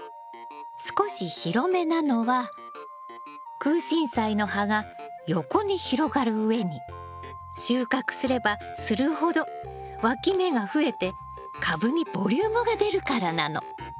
少し広めなのはクウシンサイの葉が横に広がるうえに収穫すればするほどわき芽が増えて株にボリュームが出るからなの。